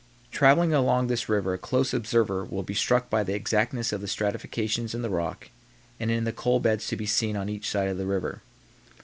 Traveling along this river a close observer will be struck by the exactness of the stratifications in the rock and in the coal beds to be seen on each side of the river.